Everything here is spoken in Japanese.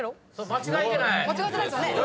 間違えてないですよね。